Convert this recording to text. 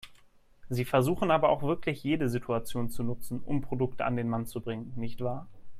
Sie versuchen aber auch wirklich jede Situation zu nutzen, um Produkte an den Mann zu bringen, nicht wahr?